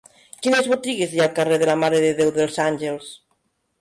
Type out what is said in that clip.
Quines botigues hi ha al carrer de la Mare de Déu dels Àngels?